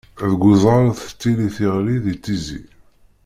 Deg uzɣal tettili tiɣli di Tizi.